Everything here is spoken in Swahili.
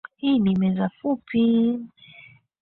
Hii ni meza fupi